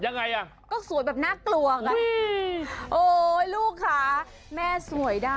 น่ากลัว